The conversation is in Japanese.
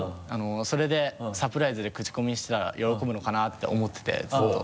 それでサプライズでクチコミしたら喜ぶのかなって思っててずっと。